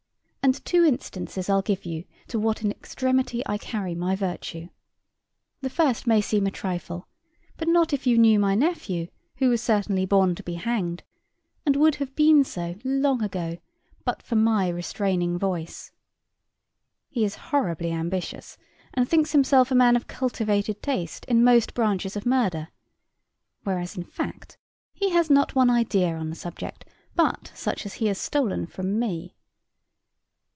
And two instances I'll give you to what an extremity I carry my virtue. The first may seem a trifle; but not if you knew my nephew, who was certainly born to be hanged, and would have been so long ago, but for my restraining voice. He is horribly ambitious, and thinks himself a man of cultivated taste in most branches of murder, whereas, in fact, he has not one idea on the subject, but such as he has stolen from me.